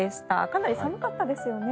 かなり寒かったですよね。